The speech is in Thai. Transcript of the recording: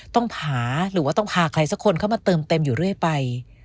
ต้องหาหรือว่าต้องพาใครสักคนเข้ามาเติมเต็มอยู่เรื่อยไป